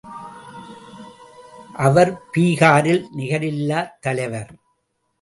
அவர் பீகாரில் நிகரில்லாத் தலைவர்.